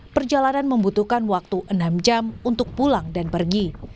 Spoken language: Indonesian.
dan juga membutuhkan waktu enam jam untuk pulang dan pergi